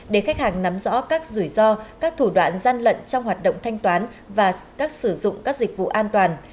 để khách hàng nắm rõ các rủi ro các thủ đoạn gian lận trong hoạt động thanh toán và các sử dụng các dịch vụ an toàn